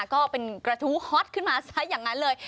ขุดขึ้นมาก็เป็นกระทู้ฮอตขึ้นมาซะอย่างนั้นเลย